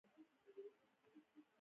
احمد د علي ژامې ور وځبلې.